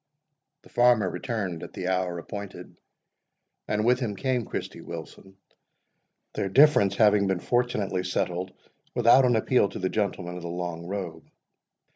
The farmer returned at the hour appointed, and with him came Christy Wilson, their difference having been fortunately settled without an appeal to the gentlemen of the long robe.